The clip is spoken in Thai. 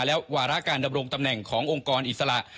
และวาระการดำรงตำแหน่งขององค์กรอิสระ